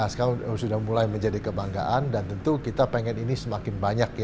sekarang sudah mulai menjadi kebanggaan dan tentu kita pengen ini semakin banyak ya